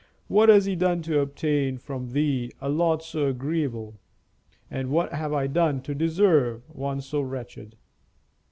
What has he done to obtain from Thee a lot so agreeable? And what have I done to deserve one so wretched?"